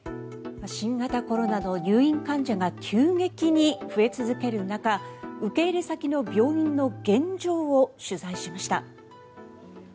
新型コロナの入院患者が急激に増え続ける中受け入れ先の病院の現状を取材しました。